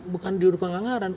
bukan didukung anggaran